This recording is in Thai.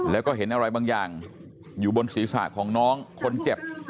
แล้วก็เห็นอะไรบางอย่างอยู่บนศีรษะของน้องคนเจ็บ